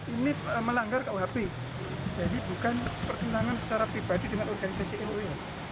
ini melanggar ke uhp jadi bukan pertunangan secara pribadi dengan organisasi mui